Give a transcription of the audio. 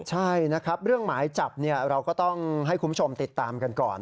ใช่นะครับเรื่องหมายจับเราก็ต้องให้คุณผู้ชมติดตามกันก่อน